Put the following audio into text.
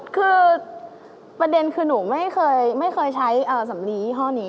คือประเด็นคือหนูไม่เคยใช้สำลียี่ห้อนี้